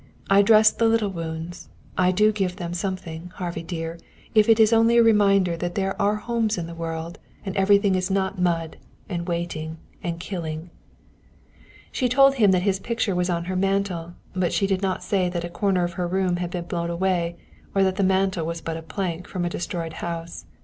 I dress the little wounds. I do give them something, Harvey dear if it is only a reminder that there are homes in the world, and everything is not mud and waiting and killing." She told him that his picture was on her mantel, but she did not say that a corner of her room had been blown away or that the mantel was but a plank from a destroyed house.